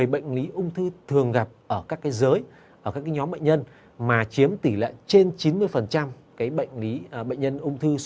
bước năm tầm soát ung thư